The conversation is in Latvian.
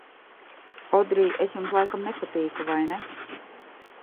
Odrij, es jums, laikam, nepatīku, vai ne?